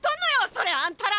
それあんたら！